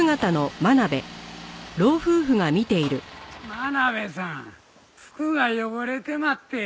真鍋さん服が汚れてまって。